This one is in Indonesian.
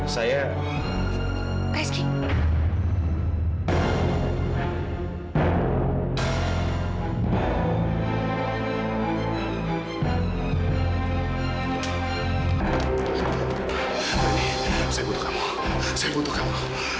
saya butuh kamu